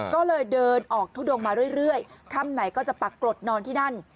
ก็เลยเดินออกทุดงมาเรื่อยค่ำไหนก็จะปรากฏนอนที่นั่น